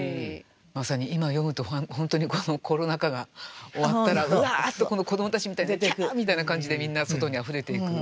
まさに今読むと本当にこのコロナ禍が終わったらうわっとこの子どもたちみたいにキャーみたいな感じでみんな外にあふれていく。